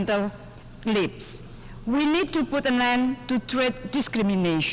kita harus menempatkan lantai untuk menghidupkan diskriminasi